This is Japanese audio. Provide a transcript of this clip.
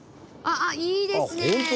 あっあっいいですねえ！